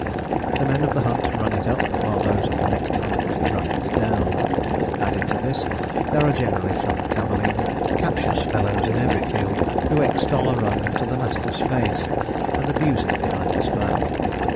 The men of the hunt run it up, while those of the next hunt run it down. Added to this there are generally some cavilling, captious fellows in every field who extol a run to the master's face, and abuse it behind his back.